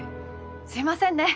すいませんね！